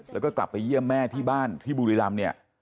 แล้วก็กลับไปเยี่ยมแม่ที่บ้านที่บุรีรำเนี่ย